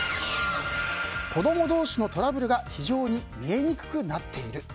子供同士のトラブルが非常に見えにくくなっている。